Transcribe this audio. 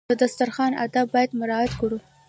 د دسترخوان آداب باید مراعات کړو.